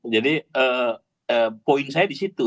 jadi poin saya disitu